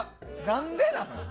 何でなん？